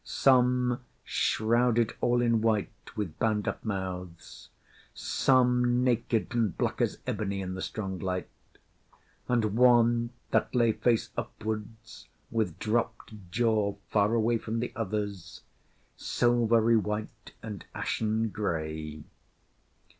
Some shrouded all in white with bound up mouths; some naked and black as ebony in the strong light; and one that lay face upwards with dropped jaw, far away from the others silvery white and ashen gray.